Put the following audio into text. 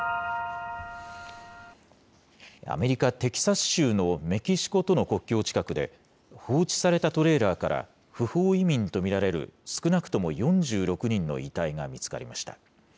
アメリカ・テキサス州のメキシコとの国境近くで、放置されたトレーラーから不法移民と見られる、少なくとも４６人の遺体が見つかりました。